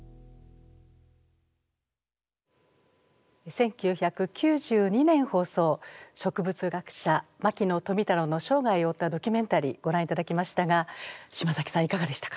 １９９２年放送植物学者牧野富太郎の生涯を追ったドキュメンタリーご覧いただきましたが島崎さんいかがでしたか？